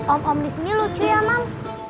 om om disini lucu ya mam